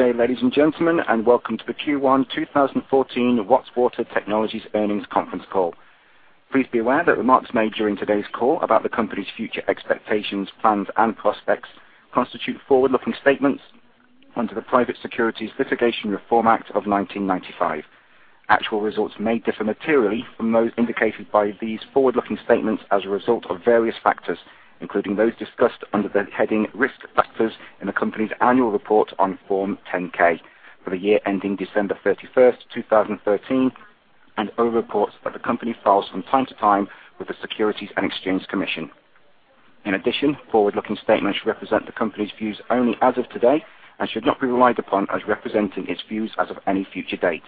Good day, ladies and gentlemen, and welcome to the Q1 2014 Watts Water Technologies Earnings Conference Call. Please be aware that remarks made during today's call about the company's future expectations, plans, and prospects constitute forward-looking statements under the Private Securities Litigation Reform Act of 1995. Actual results may differ materially from those indicated by these forward-looking statements as a result of various factors, including those discussed under the heading Risk Factors in the company's annual report on Form 10-K for the year ending December 31, 2013, and other reports that the company files from time to time with the Securities and Exchange Commission. In addition, forward-looking statements represent the company's views only as of today and should not be relied upon as representing its views as of any future date.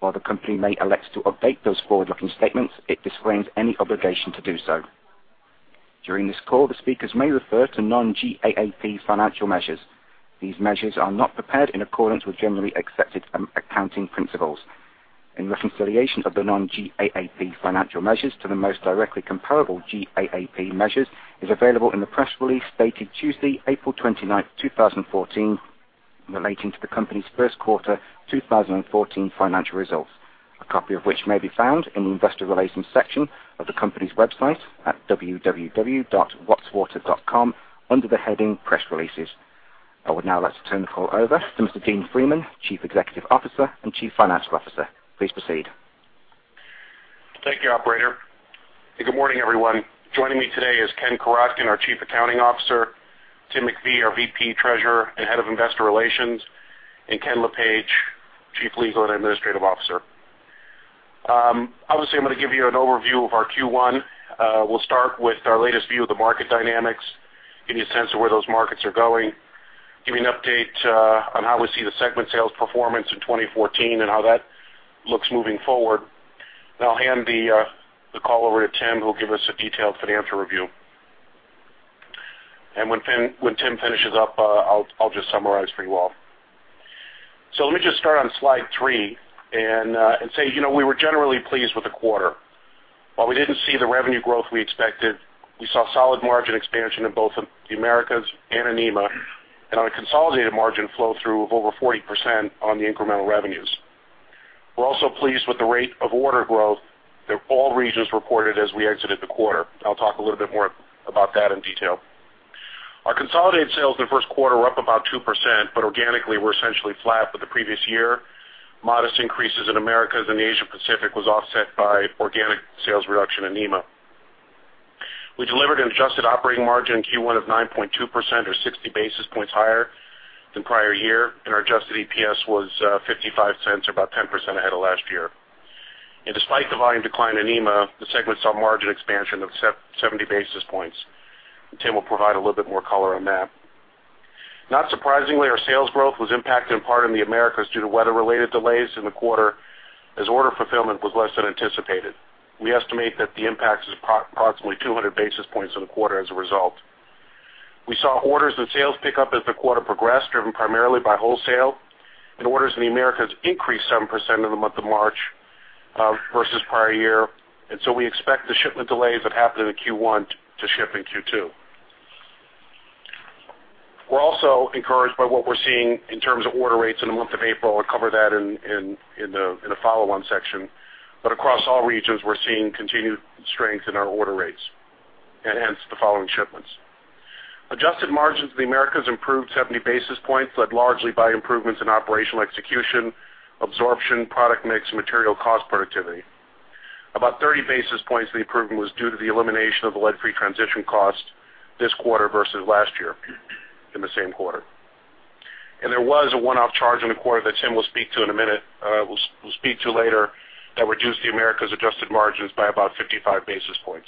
While the company may elect to update those forward-looking statements, it disclaims any obligation to do so. During this call, the speakers may refer to non-GAAP financial measures. These measures are not prepared in accordance with generally accepted accounting principles. Reconciliation of the non-GAAP financial measures to the most directly comparable GAAP measures is available in the press release dated Tuesday, April twenty-ninth, 2014, relating to the company's first quarter 2014 financial results, a copy of which may be found in the investor relations section of the company's website at www.wattswater.com, under the heading Press Releases. I would now like to turn the call over to Mr. Dean Freeman, Chief Executive Officer and Chief Financial Officer. Please proceed. Thank you, operator. Good morning, everyone. Joining me today is Ken Korotkin, our Chief Accounting Officer, Tim MacPhee, our VP, Treasurer, and Head of Investor Relations, and Ken Lepage, Chief Legal and Administrative Officer. Obviously, I'm gonna give you an overview of our Q1. We'll start with our latest view of the market dynamics, give you a sense of where those markets are going, give you an update on how we see the segment sales performance in 2014, and how that looks moving forward. Then I'll hand the call over to Tim, who will give us a detailed financial review. And when Tim finishes up, I'll just summarize for you all. So let me just start on slide three and say, you know, we were generally pleased with the quarter. While we didn't see the revenue growth we expected, we saw solid margin expansion in both the Americas and in EMEA, and on a consolidated margin flow-through of over 40% on the incremental revenues. We're also pleased with the rate of order growth that all regions reported as we exited the quarter. I'll talk a little bit more about that in detail. Our consolidated sales in the first quarter were up about 2%, but organically, were essentially flat with the previous year. Modest increases in Americas and the Asia-Pacific was offset by organic sales reduction in EMEA. We delivered an adjusted operating margin in Q1 of 9.2%, or 60 basis points higher than prior year, and our adjusted EPS was $0.55, or about 10% ahead of last year. Despite the volume decline in EMEA, the segment saw margin expansion of 70 basis points. Tim will provide a little bit more color on that. Not surprisingly, our sales growth was impacted in part in the Americas due to weather-related delays in the quarter, as order fulfillment was less than anticipated. We estimate that the impact is approximately 200 basis points in the quarter as a result. We saw orders and sales pick up as the quarter progressed, driven primarily by wholesale, and orders in the Americas increased 7% in the month of March versus prior year. So we expect the shipment delays that happened in the Q1 to ship in Q2. We're also encouraged by what we're seeing in terms of order rates in the month of April. I'll cover that in the follow-on section. But across all regions, we're seeing continued strength in our order rates and hence, the following shipments. Adjusted margins in the Americas improved 70 basis points, led largely by improvements in operational execution, absorption, product mix, and material cost productivity. About 30 basis points of the improvement was due to the elimination of the lead-free transition cost this quarter versus last year in the same quarter. And there was a one-off charge in the quarter that Tim will speak to in a minute, will speak to later, that reduced the Americas' adjusted margins by about 55 basis points.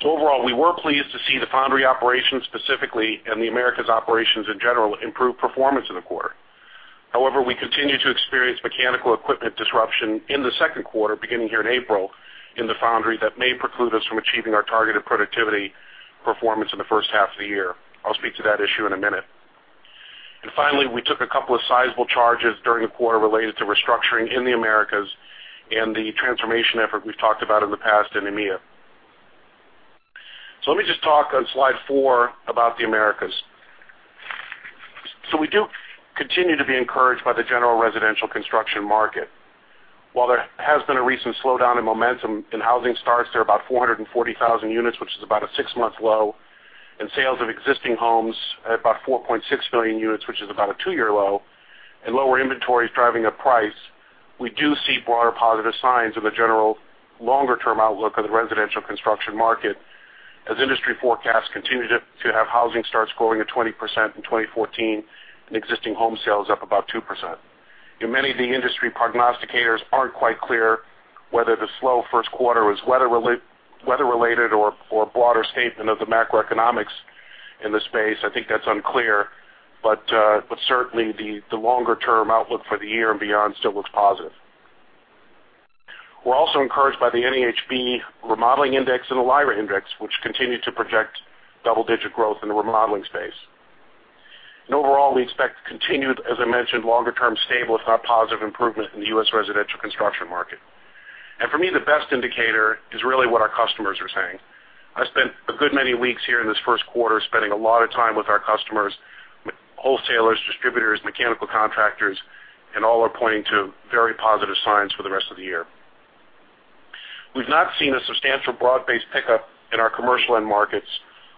So overall, we were pleased to see the foundry operations specifically, and the Americas operations in general, improve performance in the quarter. However, we continue to experience mechanical equipment disruption in the second quarter, beginning here in April, in the foundry that may preclude us from achieving our targeted productivity performance in the first half of the year. I'll speak to that issue in a minute. And finally, we took a couple of sizable charges during the quarter related to restructuring in the Americas and the transformation effort we've talked about in the past in EMEA. So let me just talk on slide four about the Americas. So we do continue to be encouraged by the general residential construction market. While there has been a recent slowdown in momentum in housing starts, there are about 440,000 units, which is about a six-month low, and sales of existing homes at about 4.6 million units, which is about a two-year low, and lower inventories driving up price, we do see broader positive signs of a general longer-term outlook of the residential construction market, as industry forecasts continue to have housing starts growing at 20% in 2014, and existing home sales up about 2%. Many of the industry prognosticators aren't quite clear whether the slow first quarter was weather-related or a broader statement of the macroeconomics in the space. I think that's unclear, but certainly the longer-term outlook for the year and beyond still looks positive. We're also encouraged by the NAHB remodeling index and the LIRA Index, which continue to project double-digit growth in the remodeling space. And overall, we expect continued, as I mentioned, longer-term stable, if not positive, improvement in the U.S. residential construction market. And for me, the best indicator is really what our customers are saying. I spent a good many weeks here in this first quarter, spending a lot of time with our customers, with wholesalers, distributors, mechanical contractors, and all are pointing to very positive signs for the rest of the year. We've not seen a substantial broad-based pickup in our commercial end markets,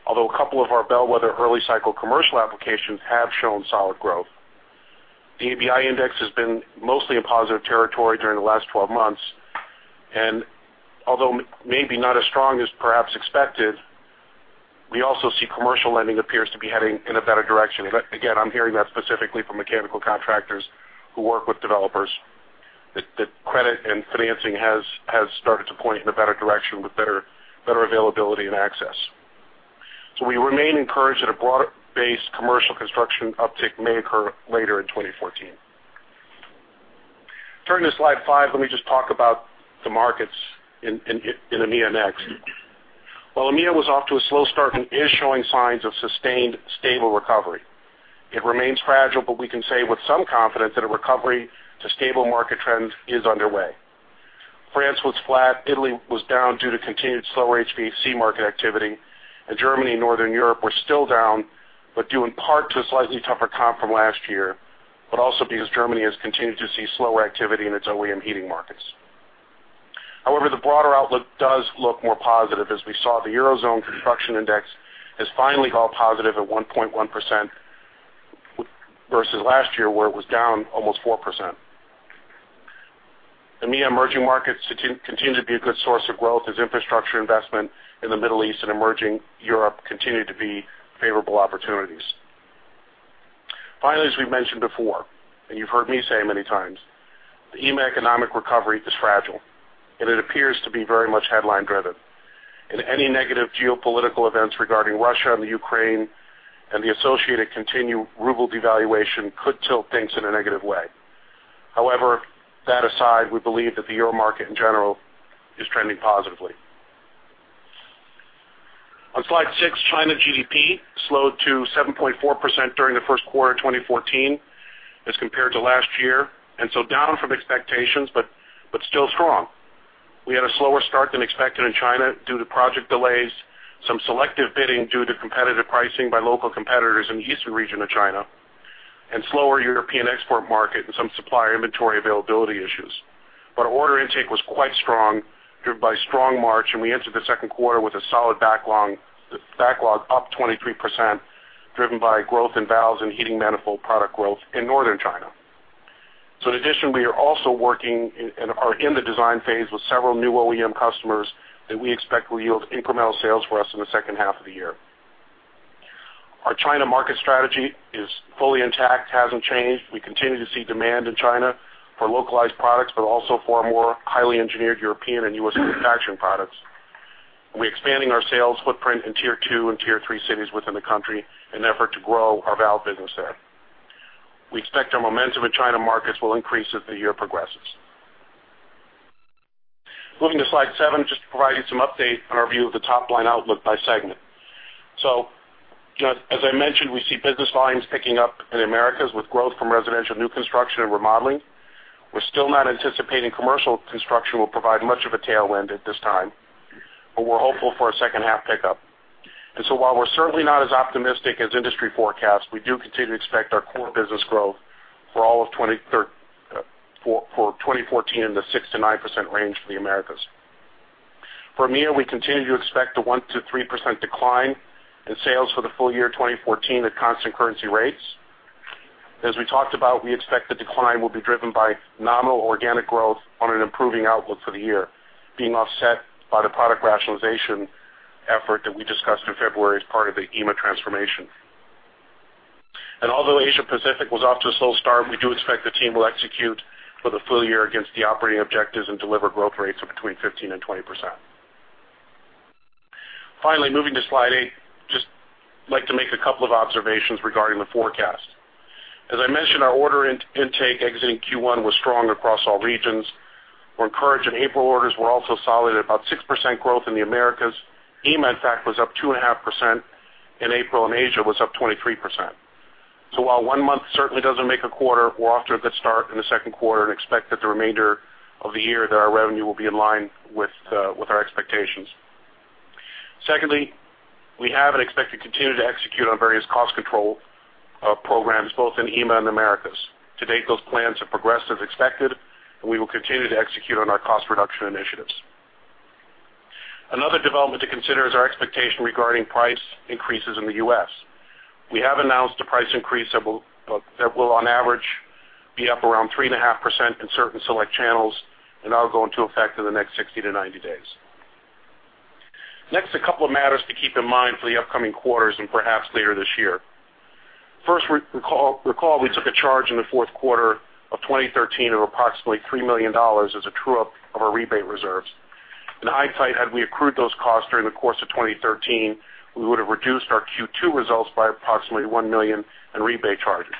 although a couple of our bellwether early cycle commercial applications have shown solid growth. The ABI Index has been mostly in positive territory during the last 12 months, and although maybe not as strong as perhaps expected, we also see commercial lending appears to be heading in a better direction. But again, I'm hearing that specifically from mechanical contractors who work with developers, that credit and financing has started to point in a better direction with better availability and access. So we remain encouraged that a broader base commercial construction uptick may occur later in 2014. Turning to Slide 5, let me just talk about the markets in EMEA next. While EMEA was off to a slow start and is showing signs of sustained, stable recovery, it remains fragile, but we can say with some confidence that a recovery to stable market trend is underway. France was flat, Italy was down due to continued slower HVAC market activity, and Germany and Northern Europe were still down, but due in part to a slightly tougher comp from last year, but also because Germany has continued to see slower activity in its OEM heating markets. However, the broader outlook does look more positive. As we saw, the Eurozone Construction Index has finally gone positive at 1.1%, versus last year, where it was down almost 4%. EMEA emerging markets continue to be a good source of growth as infrastructure investment in the Middle East and emerging Europe continue to be favorable opportunities. Finally, as we've mentioned before, and you've heard me say many times, the EMEA economic recovery is fragile, and it appears to be very much headline-driven. Any negative geopolitical events regarding Russia and Ukraine and the associated continued ruble devaluation could tilt things in a negative way. However, that aside, we believe that the Euro market in general is trending positively. On Slide six, China GDP slowed to 7.4% during the first quarter of 2014 as compared to last year, and so down from expectations, but still strong. We had a slower start than expected in China due to project delays, some selective bidding due to competitive pricing by local competitors in the eastern region of China, and slower European export market and some supplier inventory availability issues. But our order intake was quite strong, driven by a strong March, and we entered the second quarter with a solid backlog up 23%, driven by growth in valves and heating manifold product growth in northern China. So in addition, we are also working and are in the design phase with several new OEM customers that we expect will yield incremental sales for us in the second half of the year. Our China market strategy is fully intact, hasn't changed. We continue to see demand in China for localized products, but also for more highly engineered European and U.S. manufacturing products. We're expanding our sales footprint in Tier Two and Tier Three cities within the country in an effort to grow our valve business there. We expect our momentum in China markets will increase as the year progresses. Moving to Slide 7, just to provide you some update on our view of the top-line outlook by segment. So, you know, as I mentioned, we see business volumes picking up in the Americas with growth from residential new construction and remodeling. We're still not anticipating commercial construction will provide much of a tailwind at this time, but we're hopeful for a second-half pickup. And so while we're certainly not as optimistic as industry forecasts, we do continue to expect our core business growth for all of 2014 in the 6%-9% range for the Americas. For EMEA, we continue to expect a 1%-3% decline in sales for the full year 2014 at constant currency rates. As we talked about, we expect the decline will be driven by nominal organic growth on an improving outlook for the year, being offset by the product rationalization effort that we discussed in February as part of the EMEA transformation. Although Asia-Pacific was off to a slow start, we do expect the team will execute for the full year against the operating objectives and deliver growth rates of between 15% and 20%. Finally, moving to Slide 8, just like to make a couple of observations regarding the forecast. As I mentioned, our order intake exiting Q1 was strong across all regions. We're encouraged, and April orders were also solid, about 6% growth in the Americas. EMEA, in fact, was up 2.5% in April, and Asia was up 23%. So while one month certainly doesn't make a quarter, we're off to a good start in the second quarter and expect that the remainder of the year, that our revenue will be in line with our expectations. Secondly, we have and expect to continue to execute on various cost control programs, both in EMEA and Americas. To date, those plans have progressed as expected, and we will continue to execute on our cost reduction initiatives. Another development to consider is our expectation regarding price increases in the U.S. We have announced a price increase that will, on average, be up around 3.5% in certain select channels, and that'll go into effect in the next 60-90 days. Next, a couple of matters to keep in mind for the upcoming quarters and perhaps later this year. First, recall, we took a charge in the fourth quarter of 2013 of approximately $3 million as a true-up of our rebate reserves. In hindsight, had we accrued those costs during the course of 2013, we would have reduced our Q2 results by approximately $1 million in rebate charges.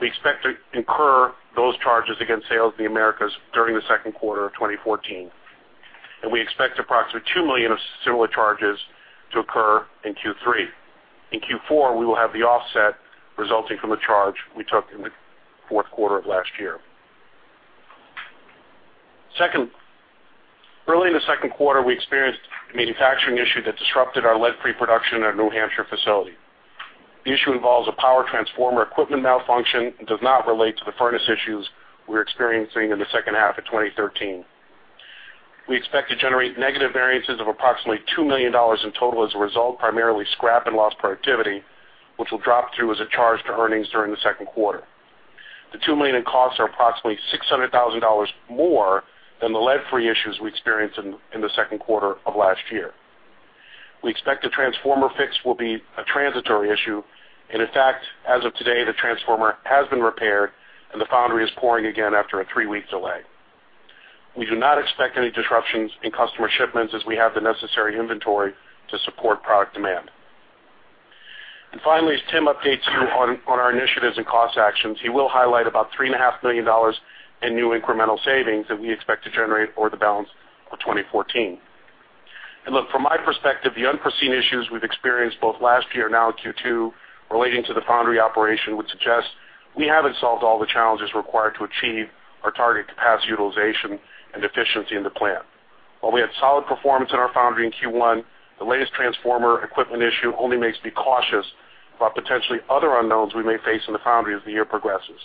We expect to incur those charges against sales in the Americas during the second quarter of 2014, and we expect approximately $2 million of similar charges to occur in Q3. In Q4, we will have the offset resulting from the charge we took in the fourth quarter of last year. Second, early in the second quarter, we experienced a manufacturing issue that disrupted our lead-free production at our New Hampshire facility. The issue involves a power transformer equipment malfunction and does not relate to the furnace issues we were experiencing in the second half of 2013. We expect to generate negative variances of approximately $2 million in total as a result, primarily scrap and lost productivity, which will drop through as a charge to earnings during the second quarter. The $2 million in costs are approximately $600,000 more than the lead-free issues we experienced in the second quarter of last year. We expect the transformer fix will be a transitory issue, and in fact, as of today, the transformer has been repaired, and the foundry is pouring again after a three-week delay. We do not expect any disruptions in customer shipments as we have the necessary inventory to support product demand. And finally, as Tim updates you on our initiatives and cost actions, he will highlight about $3.5 million in new incremental savings that we expect to generate for the balance of 2014. Look, from my perspective, the unforeseen issues we've experienced both last year and now in Q2 relating to the foundry operation, would suggest we haven't solved all the challenges required to achieve our target capacity utilization and efficiency in the plant. While we had solid performance in our foundry in Q1, the latest transformer equipment issue only makes me cautious about potentially other unknowns we may face in the foundry as the year progresses.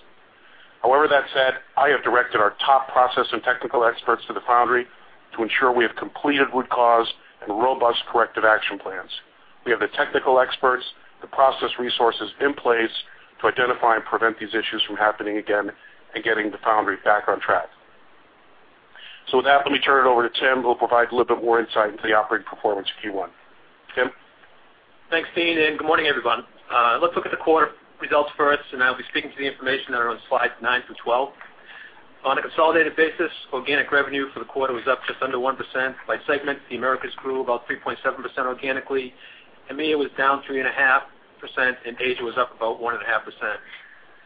However, that said, I have directed our top process and technical experts to the foundry to ensure we have completed root cause and robust corrective action plans. We have the technical experts, the process resources in place to identify and prevent these issues from happening again and getting the foundry back on track. With that, let me turn it over to Tim, who will provide a little bit more insight into the operating performance in Q1. Tim? Thanks, Dean, and good morning, everyone. Let's look at the quarter results first, and I'll be speaking to the information that are on Slides 9 through 12. On a consolidated basis, organic revenue for the quarter was up just under 1%. By segment, the Americas grew about 3.7% organically, EMEA was down 3.5%, and Asia was up about 1.5%.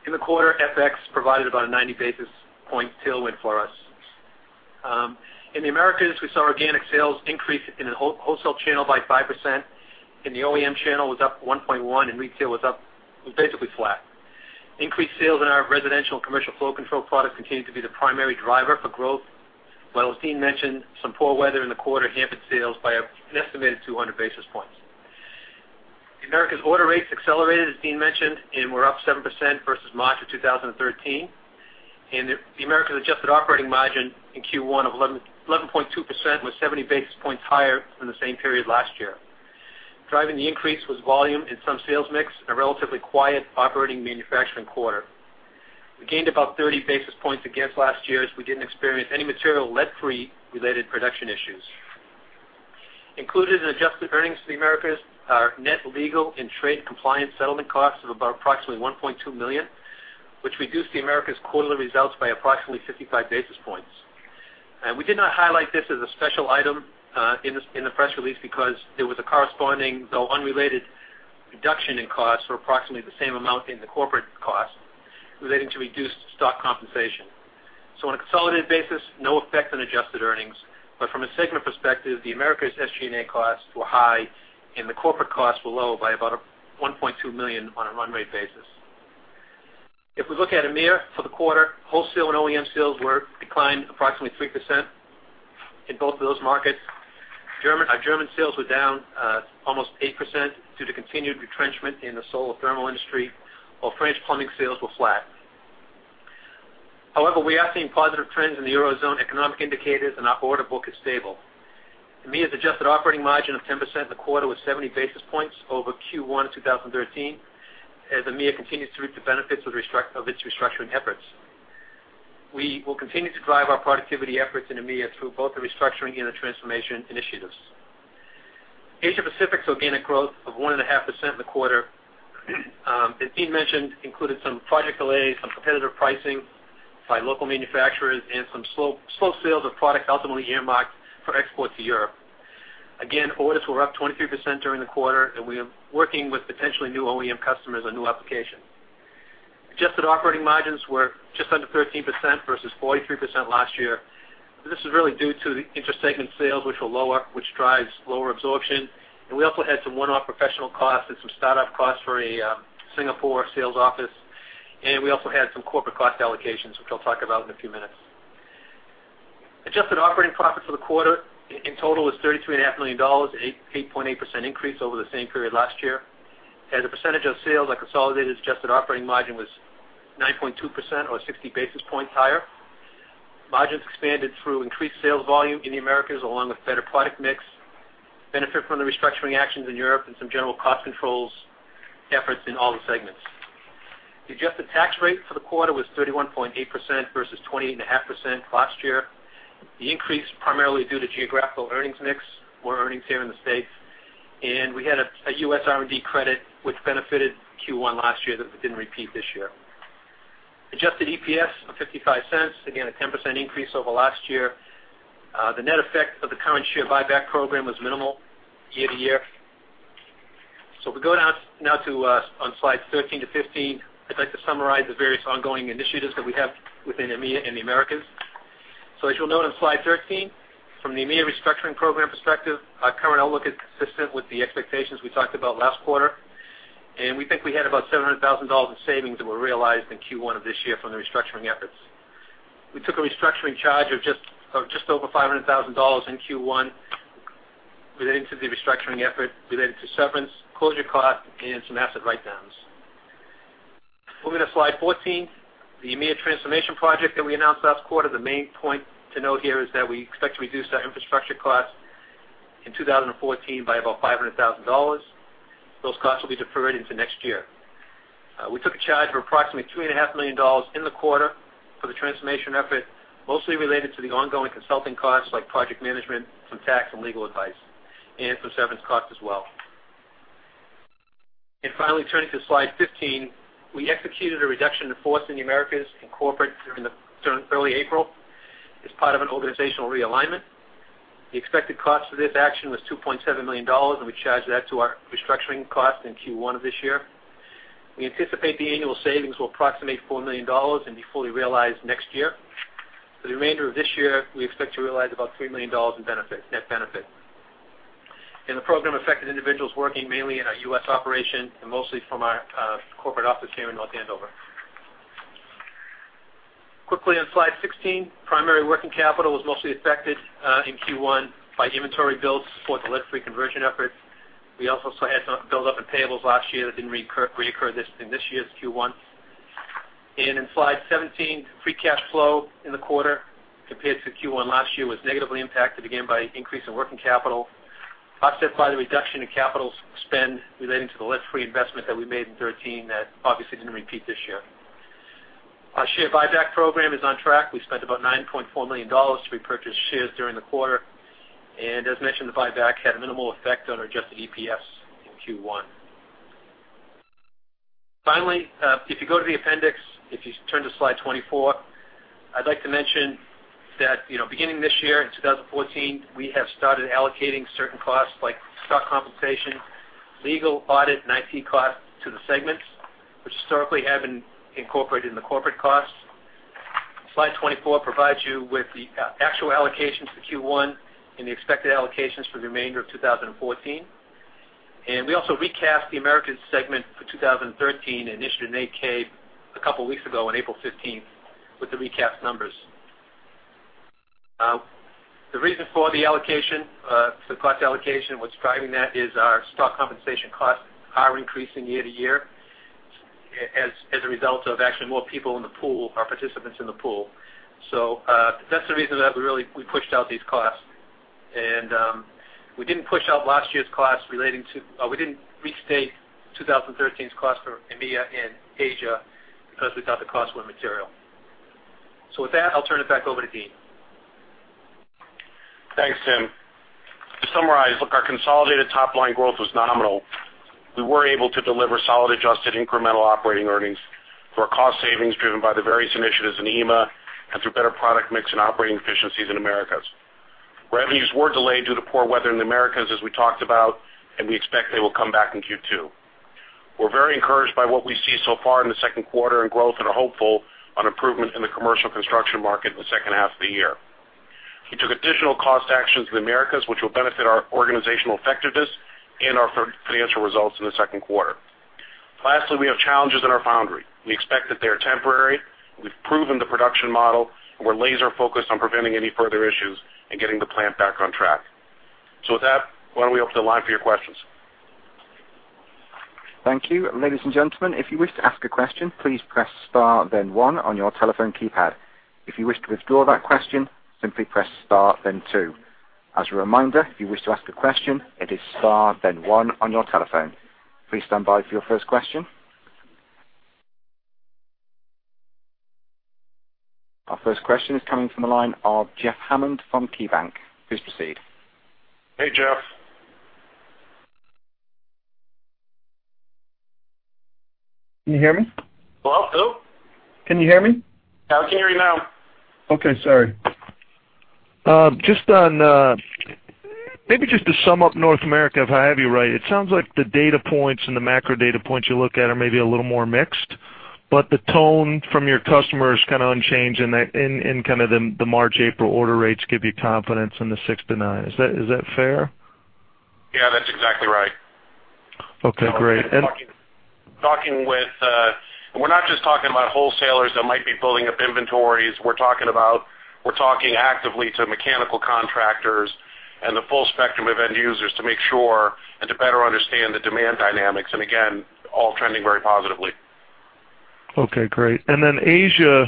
In the quarter, FX provided about a 90 basis point tailwind for us. In the Americas, we saw organic sales increase in the wholesale channel by 5%, the OEM channel was up 1.1%, and retail was basically flat. Increased sales in our residential and commercial flow control products continued to be the primary driver for growth, but as Dean mentioned, some poor weather in the quarter hampered sales by an estimated 200 basis points. The Americas order rates accelerated, as Dean mentioned, and were up 7% versus March of 2013. The Americas adjusted operating margin in Q1 of 11.2% was 70 basis points higher than the same period last year. Driving the increase was volume and some sales mix and a relatively quiet operating manufacturing quarter. We gained about 30 basis points against last year, as we didn't experience any material lead-free related production issues. Included in adjusted earnings for the Americas are net legal and trade compliance settlement costs of about approximately $1.2 million, which reduced the Americas quarterly results by approximately 55 basis points. We did not highlight this as a special item in the press release because there was a corresponding, though unrelated, reduction in costs for approximately the same amount in the corporate costs relating to reduced stock compensation. On a consolidated basis, no effect on adjusted earnings, but from a segment perspective, the Americas SG&A costs were high, and the corporate costs were low by about $1.2 million on a run rate basis. If we look at EMEA for the quarter, wholesale and OEM sales were declined approximately 3% in both of those markets. Germany, our German sales were down almost 8% due to continued retrenchment in the solar thermal industry, while French plumbing sales were flat. However, we are seeing positive trends in the Eurozone economic indicators, and our order book is stable. EMEA's adjusted operating margin of 10% in the quarter was 70 basis points over Q1 of 2013, as EMEA continues to reap the benefits of its restructuring efforts. We will continue to drive our productivity efforts in EMEA through both the restructuring and the transformation initiatives. Asia-Pacific's organic growth of 1.5% in the quarter, as Dean mentioned, included some project delays, some competitive pricing by local manufacturers, and some slow sales of products ultimately earmarked for export to Europe. Again, orders were up 23% during the quarter, and we are working with potentially new OEM customers on new applications. Adjusted operating margins were just under 13% versus 43% last year. This is really due to the inter-segment sales, which were lower, which drives lower absorption, and we also had some one-off professional costs and some startup costs for a Singapore sales office, and we also had some corporate cost allocations, which I'll talk about in a few minutes. Adjusted operating profit for the quarter in total was $33.5 million, an 8.8% increase over the same period last year. As a percentage of sales, our consolidated adjusted operating margin was 9.2% or 60 basis points higher. Margins expanded through increased sales volume in the Americas, along with better product mix, benefit from the restructuring actions in Europe and some general cost controls efforts in all the segments. The adjusted tax rate for the quarter was 31.8% versus 28.5% last year. The increase primarily due to geographical earnings mix, more earnings here in the States, and we had a U.S. R&D credit which benefited Q1 last year that we didn't repeat this year. Adjusted EPS of $0.55, again, a 10% increase over last year. The net effect of the current share buyback program was minimal year to year. So if we go down now to on slide 13 to 15, I'd like to summarize the various ongoing initiatives that we have within EMEA and the Americas. So as you'll note on slide 13, from the EMEA restructuring program perspective, our current outlook is consistent with the expectations we talked about last quarter, and we think we had about $700,000 in savings that were realized in Q1 of this year from the restructuring efforts. We took a restructuring charge of just over $500,000 in Q1 relating to the restructuring effort, related to severance, closure costs, and some asset write-downs. Moving to slide 14, the EMEA transformation project that we announced last quarter. The main point to note here is that we expect to reduce our infrastructure costs in 2014 by about $500,000. Those costs will be deferred into next year. We took a charge of approximately $3.5 million in the quarter for the transformation effort, mostly related to the ongoing consulting costs, like project management, some tax and legal advice, and some severance costs as well. And finally, turning to slide 15, we executed a reduction in force in the Americas and corporate during early April, as part of an organizational realignment. The expected cost for this action was $2.7 million, and we charged that to our restructuring costs in Q1 of this year. We anticipate the annual savings will approximate $4 million and be fully realized next year. For the remainder of this year, we expect to realize about $3 million in benefits, net benefit. And the program affected individuals working mainly in our U.S. operation and mostly from our corporate office here in North Andover. Quickly on slide 16, primary working capital was mostly affected in Q1 by inventory builds to support the lead-free conversion efforts. We also had some buildup in payables last year that didn't recur this in this year's Q1. In slide 17, free cash flow in the quarter compared to Q1 last year was negatively impacted again by an increase in working capital, offset by the reduction in capital spend relating to the lead-free investment that we made in 2013 that obviously didn't repeat this year. Our share buyback program is on track. We spent about $9.4 million to repurchase shares during the quarter, and as mentioned, the buyback had a minimal effect on our adjusted EPS in Q1. Finally, if you go to the appendix, if you turn to slide 24, I'd like to mention that, you know, beginning this year, in 2014, we have started allocating certain costs like stock compensation, legal, audit, and IT costs to the segments, which historically have been incorporated in the corporate costs. Slide 24 provides you with the actual allocations for Q1 and the expected allocations for the remainder of 2014. We also recast the Americas segment for 2013 and issued an 8-K a couple weeks ago on April fifteenth with the recast numbers. The reason for the allocation, the cost allocation, what's driving that is our stock compensation costs are increasing year to year as a result of actually more people in the pool are participants in the pool. So, that's the reason that we really, we pushed out these costs. We didn't restate 2013's costs for EMEA and Asia because we thought the costs were material. So with that, I'll turn it back over to Dean. Thanks, Tim. To summarize, look, our consolidated top-line growth was nominal. We were able to deliver solid adjusted incremental operating earnings for our cost savings, driven by the various initiatives in EMEA and through better product mix and operating efficiencies in Americas. Revenues were delayed due to poor weather in the Americas, as we talked about, and we expect they will come back in Q2. We're very encouraged by what we see so far in the second quarter in growth and are hopeful on improvement in the commercial construction market in the second half of the year. We took additional cost actions in the Americas, which will benefit our organizational effectiveness and our financial results in the second quarter. Lastly, we have challenges in our foundry. We expect that they are temporary. We've proven the production model, and we're laser focused on preventing any further issues and getting the plant back on track. With that, why don't we open the line for your questions? Thank you. Ladies and gentlemen, if you wish to ask a question, please press star then one on your telephone keypad. If you wish to withdraw that question, simply press star then two. As a reminder, if you wish to ask a question, it is star, then one on your telephone. Please stand by for your first question. Our first question is coming from the line of Jeffrey Hammond from KeyBanc Capital Markets. Please proceed. Hey, Jeff. Can you hear me? Hello, hello? Can you hear me? I can hear you now. Okay, sorry. Just on, maybe just to sum up North America, if I have you right, it sounds like the data points and the macro data points you look at are maybe a little more mixed, but the tone from your customers kind of unchanged in that kind of the March/April order rates give you confidence in the 6 to 9. Is that fair? Yeah, that's exactly right. Okay, great, and- We're not just talking about wholesalers that might be building up inventories. We're talking about, we're talking actively to mechanical contractors and the full spectrum of end users to make sure and to better understand the demand dynamics, and again, all trending very positively. Okay, great. And then Asia,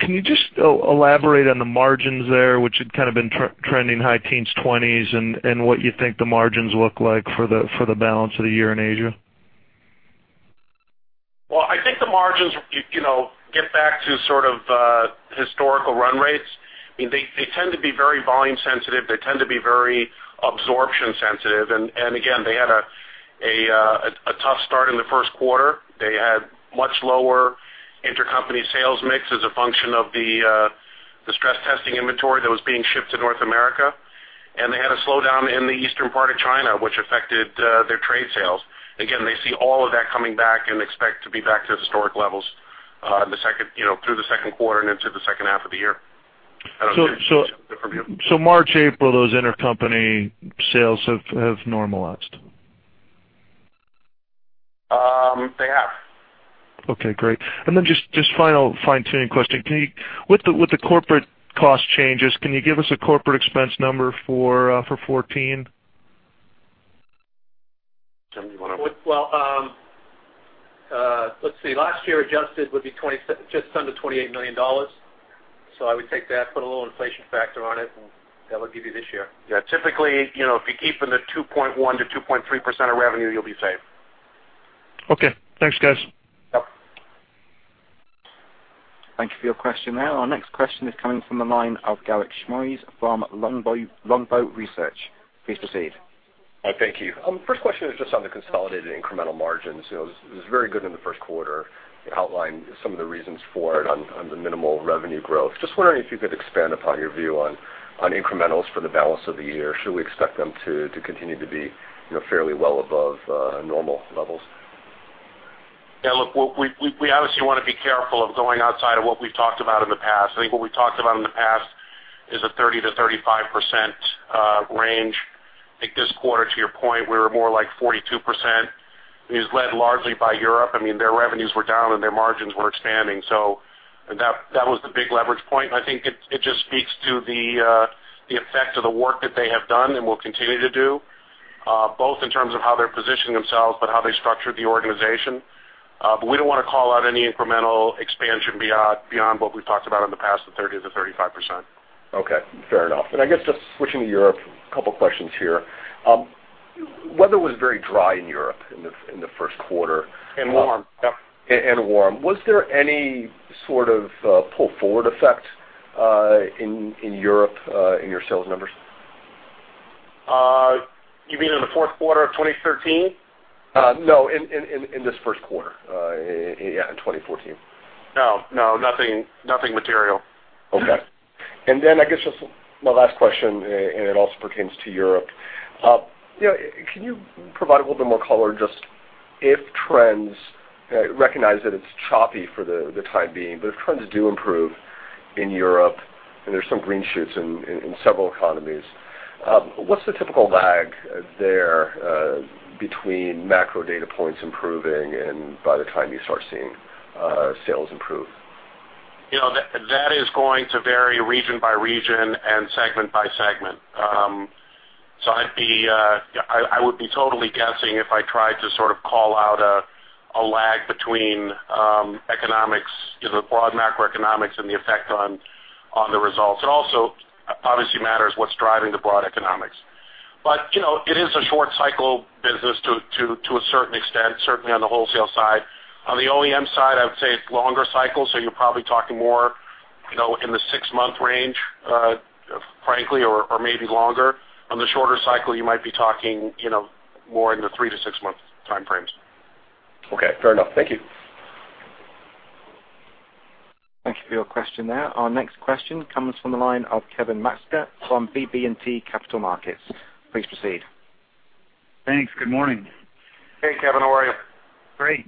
can you just elaborate on the margins there, which had kind of been trending high teens, twenties, and what you think the margins look like for the balance of the year in Asia? Well, I think the margins, you know, get back to sort of historical run rates. I mean, they tend to be very volume sensitive. They tend to be very absorption sensitive. And again, they had a tough start in the first quarter. They had much lower intercompany sales mix as a function of the stress testing inventory that was being shipped to North America, and they had a slowdown in the eastern part of China, which affected their trade sales. Again, they see all of that coming back and expect to be back to historic levels in the second, you know, through the second quarter and into the second half of the year. So, so- From you. March, April, those intercompany sales have normalized? They have. Okay, great. And then just, just final fine-tuning question. Can you- with the, with the corporate cost changes, can you give us a corporate expense number for 14? Tim, you want to? Well, let's see. Last year, adjusted would be just under $28 million. So I would take that, put a little inflation factor on it, and that would give you this year. Yeah, typically, you know, if you keep in the 2.1%-2.3% of revenue, you'll be safe. Okay. Thanks, guys. Yep. Thank you for your question there. Our next question is coming from the line of Garik Shmois from Longbow Research. Please proceed. Hi, thank you. First question is just on the consolidated incremental margins. You know, it was, it was very good in the first quarter. You outlined some of the reasons for it on, on the minimal revenue growth. Just wondering if you could expand upon your view on, on incrementals for the balance of the year. Should we expect them to, to continue to be, you know, fairly well above normal levels? Yeah, look, we obviously want to be careful of going outside of what we've talked about in the past. I think what we talked about in the past is a 30%-35% range. I think this quarter, to your point, we were more like 42%. It was led largely by Europe. I mean, their revenues were down, and their margins were expanding. So that was the big leverage point. I think it just speaks to the effect of the work that they have done and will continue to do, both in terms of how they're positioning themselves, but how they structured the organization. But we don't want to call out any incremental expansion beyond what we've talked about in the past, the 30%-35%. Okay, fair enough. I guess just switching to Europe, a couple questions here. Weather was very dry in Europe in the first quarter. And warm, yeah. Was there any sort of pull-forward effect in Europe in your sales numbers? You mean in the fourth quarter of 2013? No, in this first quarter, in 2014. No, no, nothing, nothing material. Okay. And then I guess just my last question, and it also pertains to Europe. You know, can you provide a little bit more color, just if trends recognize that it's choppy for the time being, but if trends do improve in Europe, and there's some green shoots in several economies, what's the typical lag there between macro data points improving and by the time you start seeing sales improve? You know, that, that is going to vary region by region and segment by segment. So I'd be I would be totally guessing if I tried to sort of call out a lag between economics, you know, the broad macroeconomics and the effect on the results. It also obviously matters what's driving the broad economics. But, you know, it is a short cycle business to a certain extent, certainly on the wholesale side. On the OEM side, I would say it's longer cycle, so you're probably talking more, you know, in the 6-month range, frankly, or maybe longer. On the shorter cycle, you might be talking, you know, more in the 3- to 6-month time frames. Okay. Fair enough. Thank you. Thank you for your question there. Our next question comes from the line of Kevin Maczka from BB&T Capital Markets. Please proceed. Thanks. Good morning. Hey, Kevin. How are you? Great.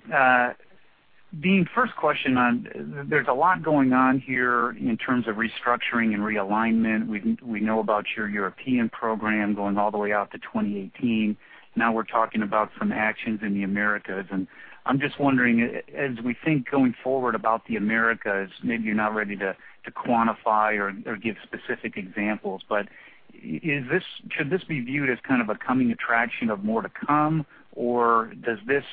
Dean, first question on, there's a lot going on here in terms of restructuring and realignment. We, we know about your European program going all the way out to 2018. Now we're talking about some actions in the Americas, and I'm just wondering, as we think going forward about the Americas, maybe you're not ready to, to quantify or, or give specific examples, but is this -- should this be viewed as kind of a coming attraction of more to come, or does this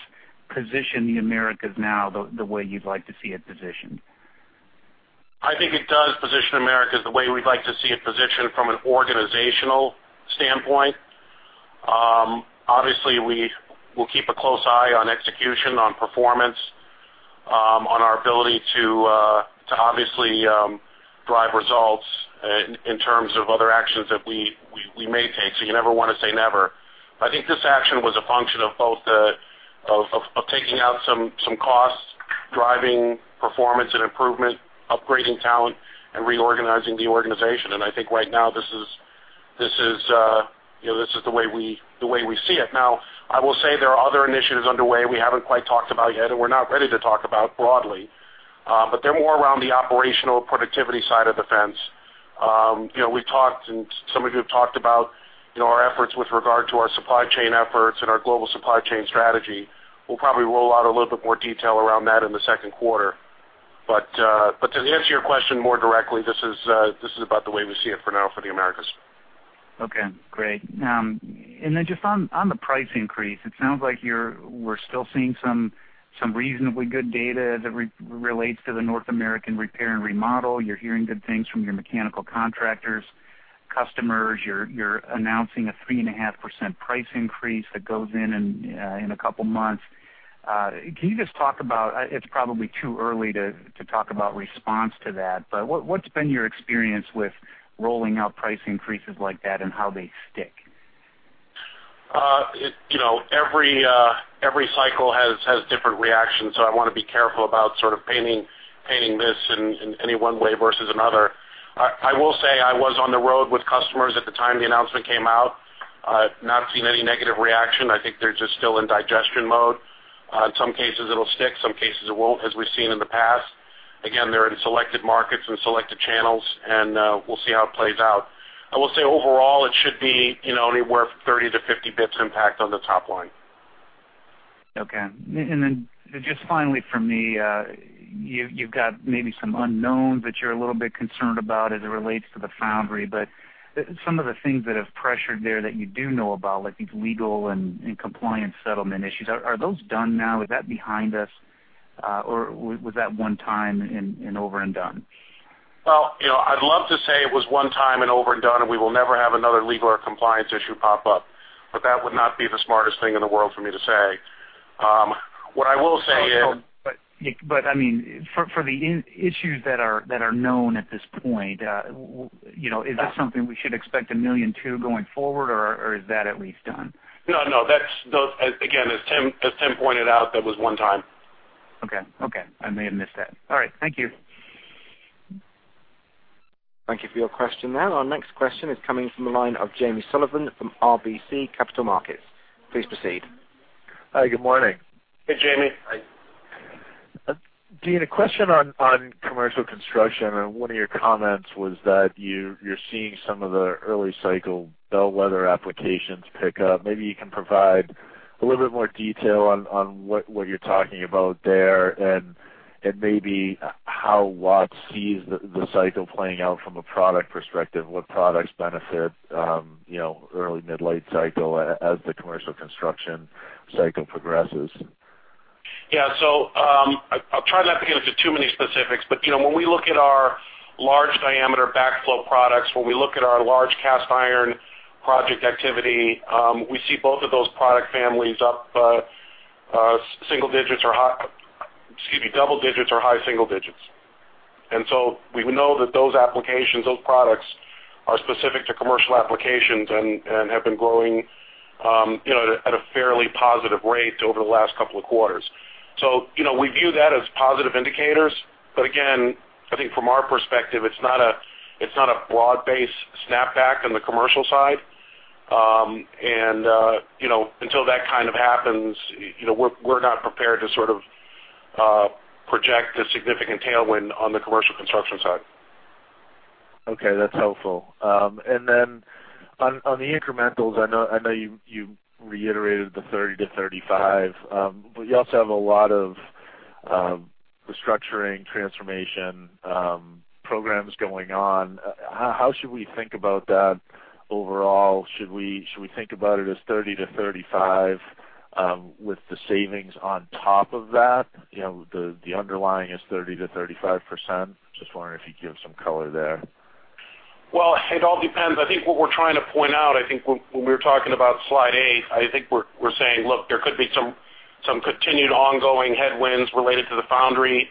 position the Americas now the, the way you'd like to see it positioned? I think it does position Americas the way we'd like to see it positioned from an organizational standpoint. Obviously, we will keep a close eye on execution, on performance, on our ability to obviously drive results in terms of other actions that we may take. So you never wanna say never. But I think this action was a function of both the taking out some costs, driving performance and improvement, upgrading talent, and reorganizing the organization. And I think right now, this is you know, this is the way we see it. Now, I will say there are other initiatives underway we haven't quite talked about yet, and we're not ready to talk about broadly. But they're more around the operational productivity side of the fence. You know, we've talked and some of you have talked about, you know, our efforts with regard to our supply chain efforts and our global supply chain strategy. We'll probably roll out a little bit more detail around that in the second quarter. But, but to answer your question more directly, this is, this is about the way we see it for now for the Americas. Okay, great. And then just on the price increase, it sounds like you're -- we're still seeing some reasonably good data that relates to the North American repair and remodel. You're hearing good things from your mechanical contractors, customers. You're announcing a 3.5% price increase that goes in a couple of months. Can you just talk about, it's probably too early to talk about response to that, but what's been your experience with rolling out price increases like that and how they stick? It, you know, every, every cycle has different reactions, so I wanna be careful about sort of painting this in any one way versus another. I will say I was on the road with customers at the time the announcement came out. I've not seen any negative reaction. I think they're just still in digestion mode. In some cases, it'll stick, some cases it won't, as we've seen in the past. Again, they're in selected markets and selected channels, and we'll see how it plays out. I will say, overall, it should be, you know, anywhere from 30-50 BPS impact on the top line. Okay. And then just finally for me, you, you've got maybe some unknowns that you're a little bit concerned about as it relates to the foundry, but some of the things that have pressured there that you do know about, like these legal and compliance settlement issues, are those done now? Is that behind us, or was that one time and over and done? Well, you know, I'd love to say it was one time and over and done, and we will never have another legal or compliance issue pop up, but that would not be the smartest thing in the world for me to say. What I will say is- But I mean, for the issues that are known at this point, you know, is this something we should expect $1.2 million going forward, or is that at least done? No, no, that's those. Again, as Tim, as Tim pointed out, that was one time. Okay. Okay, I may have missed that. All right. Thank you. Thank you for your question there. Our next question is coming from the line of James Sullivan from RBC Capital Markets. Please proceed. Hi, good morning. Hey, Jamie. Hi. Dean, a question on commercial construction, and one of your comments was that you're seeing some of the early cycle bellwether applications pick up. Maybe you can provide a little bit more detail on what you're talking about there, and maybe how Watts sees the cycle playing out from a product perspective, what products benefit, you know, early, mid, late cycle as the commercial construction cycle progresses? Yeah. So, I'll try not to get into too many specifics, but, you know, when we look at our large-diameter backflow products, when we look at our large cast iron project activity, we see both of those product families up, single digits or high... Excuse me, double digits or high single digits. And so we know that those applications, those products, are specific to commercial applications and have been growing, you know, at a fairly positive rate over the last couple of quarters. So, you know, we view that as positive indicators. But again, I think from our perspective, it's not a broad-based snapback on the commercial side. And, you know, until that kind of happens, you know, we're not prepared to sort of project a significant tailwind on the commercial construction side. Okay, that's helpful. And then on, on the incrementals, I know, I know you, you reiterated the 30-35, but you also have a lot of, restructuring, transformation, programs going on. How should we think about that overall? Should we, should we think about it as 30-35, with the savings on top of that? You know, the, the underlying is 30%-35%. Just wondering if you'd give some color there. Well, it all depends. I think what we're trying to point out, I think when we were talking about slide A, I think we're saying, look, there could be some continued ongoing headwinds related to the foundry,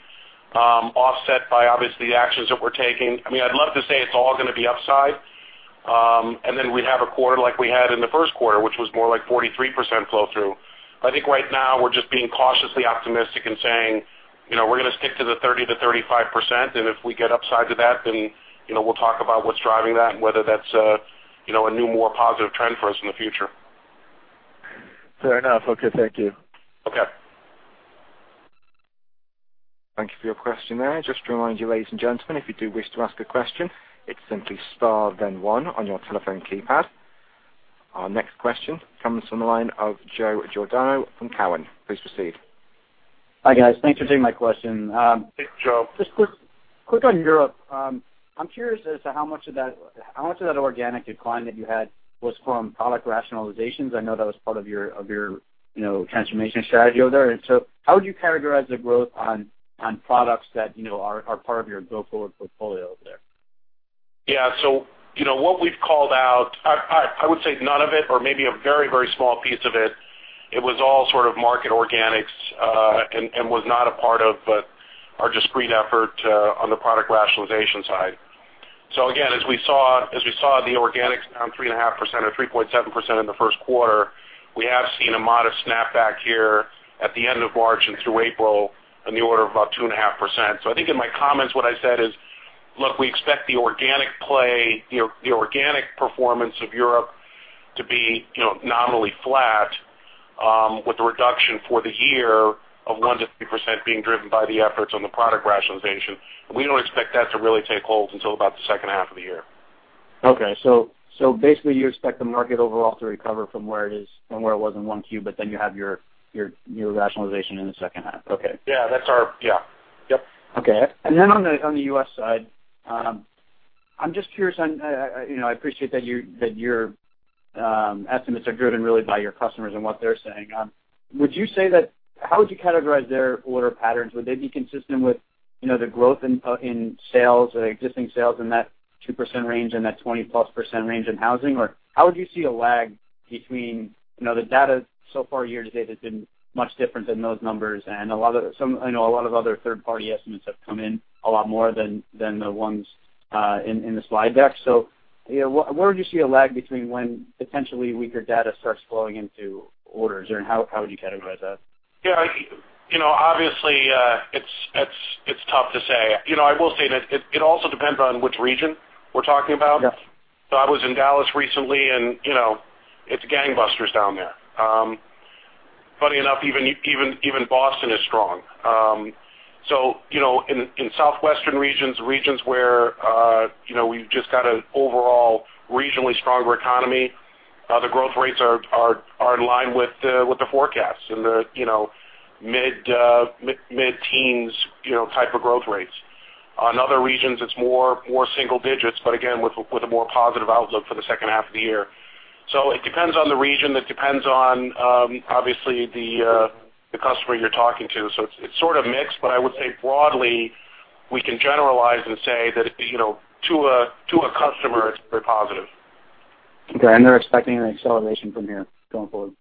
offset by obviously the actions that we're taking. I mean, I'd love to say it's all gonna be upside, and then we'd have a quarter like we had in the first quarter, which was more like 43% flow through. I think right now we're just being cautiously optimistic and saying, you know, we're gonna stick to the 30%-35%, and if we get upside to that, then, you know, we'll talk about what's driving that and whether that's a new, more positive trend for us in the future. Fair enough. Okay, thank you. Okay. Thank you for your question there. Just to remind you, ladies and gentlemen, if you do wish to ask a question, it's simply star then one on your telephone keypad. Our next question comes from the line of Joe Giordano from Cowen. Please proceed. Hi, guys. Thanks for taking my question. Hey, Joe. Just quick, quick on Europe. I'm curious as to how much of that organic decline that you had was from product rationalizations. I know that was part of your, you know, transformation strategy over there. So how would you categorize the growth on products that, you know, are part of your go-forward portfolio there? Yeah. So, you know, what we've called out, I would say none of it or maybe a very, very small piece of it, it was all sort of market organics, and was not a part of our discrete effort on the product rationalization side. So again, as we saw the organics down 3.5% or 3.7% in the first quarter, we have seen a modest snapback here at the end of March and through April in the order of about 2.5%. So I think in my comments, what I said is, look, we expect the organic play, the organic performance of Europe to be, you know, nominally flat, with a reduction for the year of 1%-2% being driven by the efforts on the product rationalization. We don't expect that to really take hold until about the second half of the year. Okay. So basically, you expect the market overall to recover from where it is, from where it was in 1Q, but then you have your rationalization in the second half. Okay. Yeah. Yeah. Yep. Okay. And then on the U.S. side, I'm just curious, you know, I appreciate that your estimates are driven really by your customers and what they're saying. Would you say that— How would you categorize their order patterns? Would they be consistent with you know, the growth in sales, existing sales in that 2% range and that 20%+ range in housing? Or how would you see a lag between, you know, the data so far year-to-date has been much different than those numbers, and I know a lot of other third-party estimates have come in a lot more than the ones in the slide deck. So, you know, where would you see a lag between when potentially weaker data starts flowing into orders, and how, how would you categorize that? Yeah, you know, obviously, it's tough to say. You know, I will say that it also depends on which region we're talking about. Yes. So I was in Dallas recently, and, you know, it's gangbusters down there. Funny enough, even Boston is strong. So, you know, in southwestern regions, regions where, you know, we've just got an overall regionally stronger economy, the growth rates are in line with the forecasts and the, you know, mid-teens, you know, type of growth rates. In other regions, it's more single digits, but again, with a more positive outlook for the second half of the year. So it depends on the region. It depends on, obviously, the customer you're talking to. So it's sort of mixed, but I would say broadly, we can generalize and say that, you know, to a customer, it's very positive. Okay, and they're expecting an acceleration from here going forward?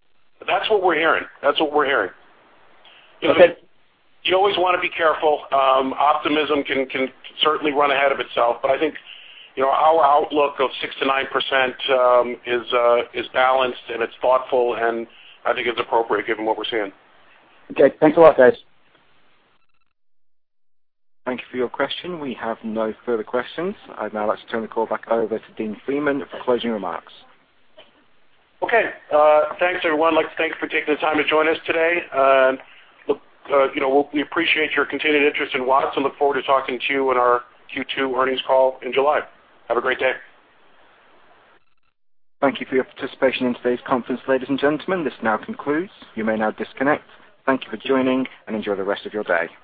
That's what we're hearing. That's what we're hearing. Okay. You always wanna be careful. Optimism can certainly run ahead of itself, but I think, you know, our outlook of 6%-9% is balanced, and it's thoughtful, and I think it's appropriate given what we're seeing. Okay. Thanks a lot, guys. Thank you for your question. We have no further questions. I'd now like to turn the call back over to Dean Freeman for closing remarks. Okay, thanks, everyone. I'd like to thank you for taking the time to join us today. Look, you know, we appreciate your continued interest in Watts and look forward to talking to you on our Q2 earnings call in July. Have a great day. Thank you for your participation in today's conference, ladies and gentlemen. This now concludes. You may now disconnect. Thank you for joining, and enjoy the rest of your day.